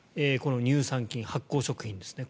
乳酸菌、発酵食品ですね。